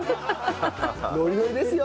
ノリノリですよ。